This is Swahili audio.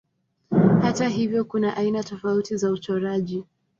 Hata hivyo kuna aina tofauti za uchoraji.